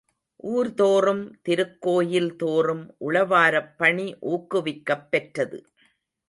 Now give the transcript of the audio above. ஊர்தோறும், திருக்கோயில் தோறும் உழவாரப்பணி ஊக்குவிக்கப் பெற்றது.